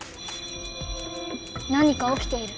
何か起きている。